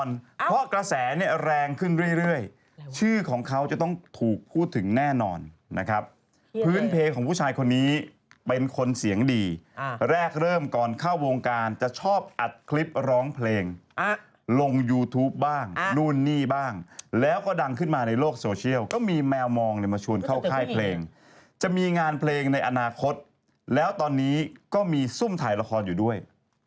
เพราะกระแสเนี่ยแรงขึ้นเรื่อยชื่อของเขาจะต้องถูกพูดถึงแน่นอนนะครับพื้นเพลงของผู้ชายคนนี้เป็นคนเสียงดีแรกเริ่มก่อนเข้าวงการจะชอบอัดคลิปร้องเพลงลงยูทูปบ้างนู่นนี่บ้างแล้วก็ดังขึ้นมาในโลกโซเชียลก็มีแมวมองเนี่ยมาชวนเข้าค่ายเพลงจะมีงานเพลงในอนาคตแล้วตอนนี้ก็มีซุ่มถ่ายละครอยู่ด้วย